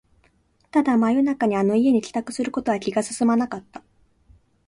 ただ、真夜中にあの家に帰宅することは気が進まなかった